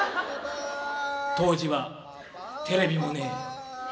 当時はテレビもねえ